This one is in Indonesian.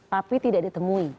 tapi tidak ditemui